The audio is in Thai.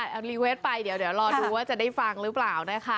เอารีเวทไปเดี๋ยวรอดูว่าจะได้ฟังหรือเปล่านะคะ